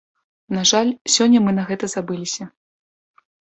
На жаль, сёння мы на гэта забыліся.